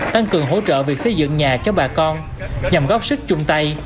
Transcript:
tăng cường hỗ trợ việc xây dựng nhà cho bà con nhằm góp sức chung tay